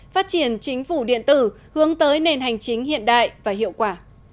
phát triển chính phủ điện tử hướng tới nền hành chính hiện đại và hiệu quả